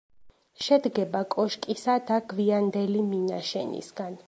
შედგება კოშკისა და გვიანდელი მინაშენისგან.